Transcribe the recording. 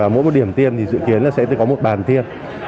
mỗi điểm tiêm dự kiến là sẽ có một bàn tiêm